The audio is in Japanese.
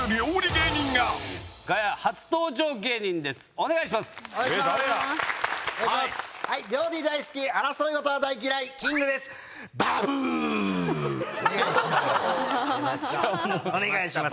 お願いします。